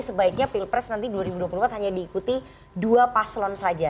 sebaiknya pilpres nanti dua ribu dua puluh empat hanya diikuti dua paslon saja